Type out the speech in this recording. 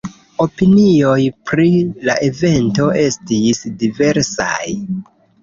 Opinioj pri la evento estis diversaj.